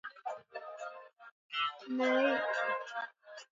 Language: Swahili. Bakteria wanaosababisha ugonjwa wa kimeta hawaathiriwi na joto kali